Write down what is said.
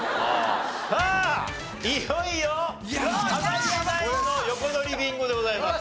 さあいよいよ濱家ナインの横取りビンゴでございます。